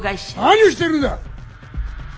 何をしてるんだ！